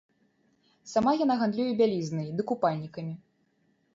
Сама яна гандлюе бялізнай ды купальнікамі.